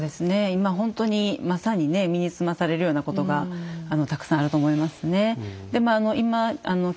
今ほんとにまさにね身につまされるようなことがたくさんあると思いますね。